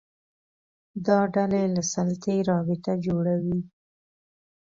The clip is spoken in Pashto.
دا ډلې له سلطې رابطه جوړوي